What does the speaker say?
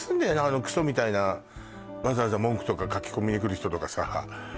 あのクソみたいなわざわざ文句とか書き込みに来る人とかさ